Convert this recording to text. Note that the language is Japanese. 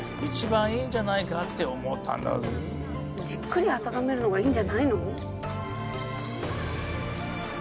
じっくり温めるのがいいんじゃないの？